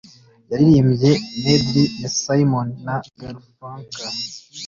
Yaririmbye medley ya Simon na Garfunkel.